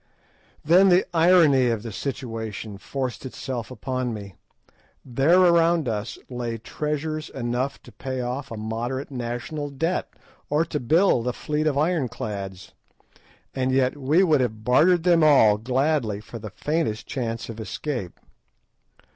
Then the irony of the situation forced itself upon me. There around us lay treasures enough to pay off a moderate national debt, or to build a fleet of ironclads, and yet we would have bartered them all gladly for the faintest chance of escape.